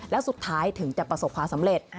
แล้วสุดท้ายถึงจะประสบความสำเร็จ